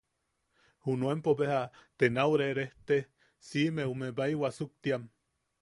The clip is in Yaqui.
Junuenpo beja, te nau rerejte siʼime ume bai wasuktiam.